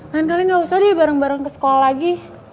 lain kali gak usah deh bareng bareng ke sekolah lagi